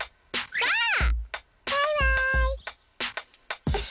バイバーイ！